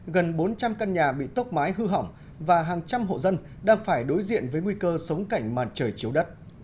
gần bốn trăm linh căn nhà bị tốc mái hư hỏng và hàng trăm hộ dân đang phải đối diện với nguy cơ sống cảnh màn trời chiếu đất